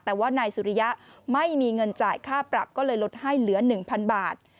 แต่ว่านายสุริยะไม่มีเงินจ่ายค่าปรับก็เลยลดให้เหลือ๑๐๐๐บาท